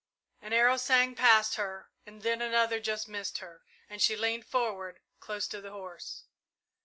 An arrow sang past her, then another just missed her, and she leaned forward, close to the horse.